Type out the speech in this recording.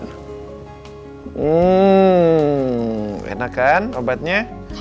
hmm enak kan obatnya